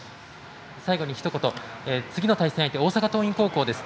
最後にひと言次の対戦相手が大阪桐蔭高校です。